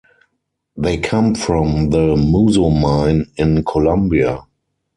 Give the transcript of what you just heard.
They come from the Muzo Mine in Colombia.